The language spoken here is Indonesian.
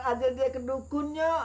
bang mau kita bawa dia ke dukun yuk